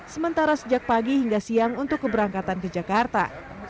sementara sejak pagi hingga siang untuk keberangkatan ke jakarta